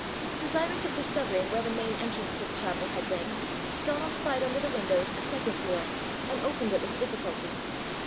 Desirous of discovering where the main entrance to the chapel had been, Donal spied under the windows a second door, and opened it with difficulty.